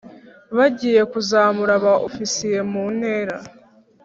bagiye kuzamura ba ofisiye mu ntera